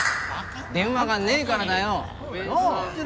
電話がねえからだよなあ？